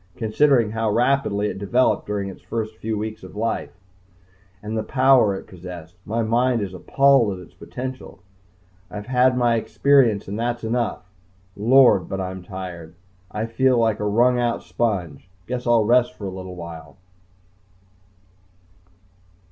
Considering how rapidly it developed during its few weeks of life, and the power it possessed, my mind is appalled at its potential. I've had my experience and that's enough. Lord! but I'm tired. I feel like a wrung out sponge. Guess I'll rest for a little while